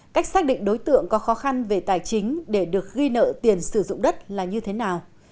cách xác định đối tượng có khó khăn về tài chính để được ghi nợ tiền sử dụng đất là như thế nào